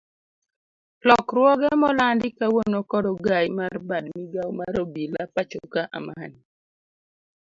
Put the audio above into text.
Lokruoge molandi kawuono kod ogai mar bad migao mar obila pachoka Amani.